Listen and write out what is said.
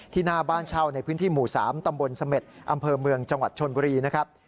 หน้าบ้านเช่าในพื้นที่หมู่๓ตำบลเสม็ดอำเภอเมืองจังหวัดชนบุรีนะครับ